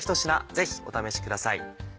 ぜひお試しください。